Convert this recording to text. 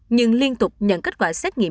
nhưng liên tục nhận kết quả xét nghiệm